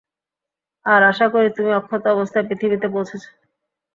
আর আশা করি তুমি অক্ষত অবস্থায় পৃথিবীতে পৌঁছেছ।